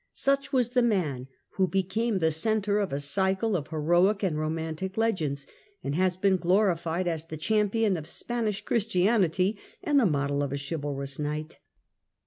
Such was the man who has become the centre of a cycle of heroic and romantic legends, and has been glorified as the champion of Spanish Christianity and the model of a chivalrous knight.